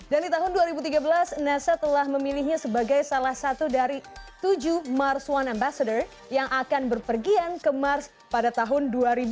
di tahun dua ribu tiga belas nasa telah memilihnya sebagai salah satu dari tujuh mars one ambassador yang akan berpergian ke mars pada tahun dua ribu dua puluh